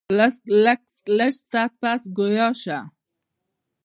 لږ ساعت پس ګویا شۀ ـ